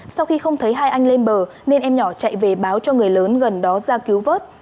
sau khi không thấy hai anh lên bờ nên em nhỏ chạy về báo cho người lớn gần đó ra cứu vớt